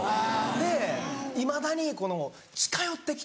でいまだにこの近寄ってきて。